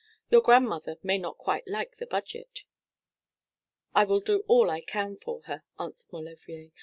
Your grandmother may not quite like the budget.' 'I will do all I can for her,' answered Maulevrier.